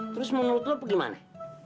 terus menurut lo apa gimana